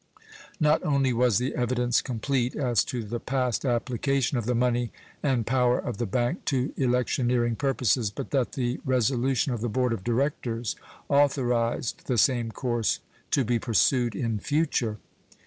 Not only was the evidence complete as to the past application of the money and power of the bank to electioneering purposes, but that the resolution of the board of directors authorized the same course to be pursued in future.